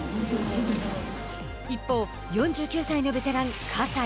一方、４９歳のベテラン葛西。